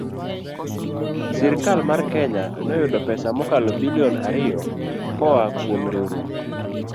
Sirkal mar Kenya noyudo pesa mokalo bilion ariyo koa kuom riwruok